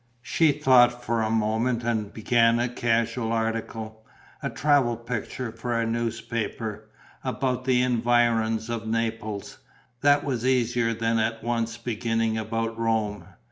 She thought for a moment and began a casual article, a travel picture for a newspaper, about the environs of Naples: that was easier than at once beginning about Rome.